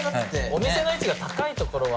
お店の位置が高い所は。